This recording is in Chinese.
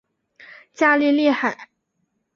加利利海。